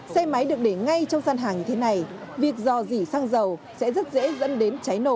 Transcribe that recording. xe máy được để ngay trong sàn hàng như thế này việc dò dỉ sang dầu sẽ rất dễ dẫn đến cháy nổ